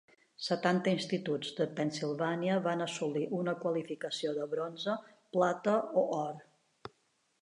Setanta instituts de Pennsylvania van assolir una qualificació de bronze, plata o or.